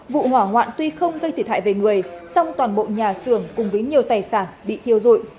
vụ hỏa hoạn tuy không gây thiệt hại về người song toàn bộ nhà xưởng cùng với nhiều tài sản bị thiêu dụi